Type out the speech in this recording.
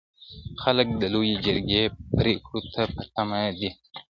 خلګ د لويې جرګي پرېکړو ته په تمه دي.